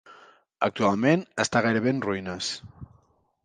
Actualment està gairebé en ruïnes.